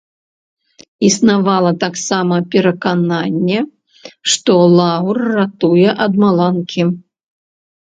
Існавала таксама перакананне, што лаўр ратуе ад маланкі.